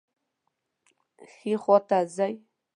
ښي خواته ځئ